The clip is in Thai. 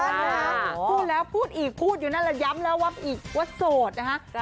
พูดแล้วพูดอีกพูดอยู่นั่นแหละย้ำแล้ววับอีกว่าโสดนะฮะ